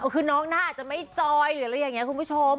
คือน้องหน้าอาจจะไม่จอยหรืออะไรอย่างนี้คุณผู้ชม